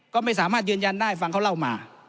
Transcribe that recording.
ก็ไม่สามารถยืนยันได้ฟังเขาเล่ามา